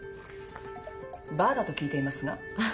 バーだと聞いていますが。